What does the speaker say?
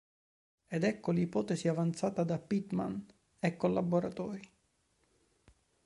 Ed ecco l'ipotesi avanzata da Pitman e collaboratori.